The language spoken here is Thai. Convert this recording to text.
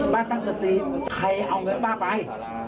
ป้าประตักสตรีใครเอาเงินป้าไป